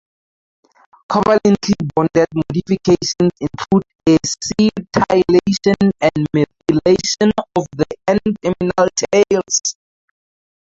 Covalently bonded modifications include acetylation and methylation of the N-terminal tails.